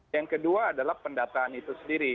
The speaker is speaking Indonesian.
yang kedua adalah pendataan itu sendiri